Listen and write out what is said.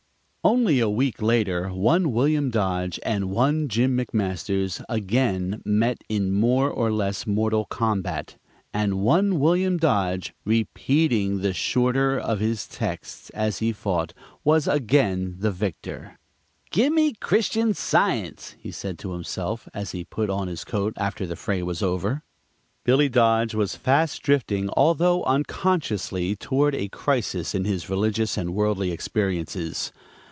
Only a week later one William Dodge and one Jim McMasters again met in more or less mortal combat, and one William Dodge, repeating the shorter of his texts as he fought, was again the victor. "Gimme Christian Science!" he said to himself, as he put on his coat after the fray was over. Billy Dodge was fast drifting, although unconsciously, toward a crisis in his religious and worldly experiences.